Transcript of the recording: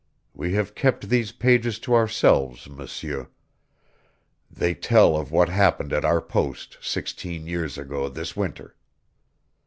We have kept these pages to ourselves, M'seur. They tell of what happened at our post sixteen years ago this winter."